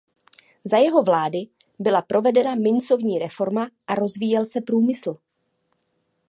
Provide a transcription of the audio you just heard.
Za jeho vlády byla provedena mincovní reforma a rozvíjel se průmysl.